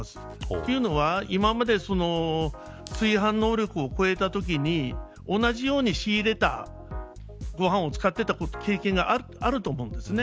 というのは、今まで炊飯能力を超えたときに同じように仕入れたご飯を使っていた経験があると思うんですね。